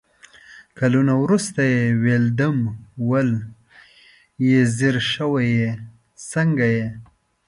کالونه ورورسته يې ويلدم ول يې ځير شوي يې ، څنګه يې ؟